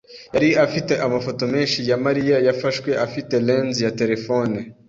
yari afite amafoto menshi ya Mariya yafashwe afite lens ya terefone.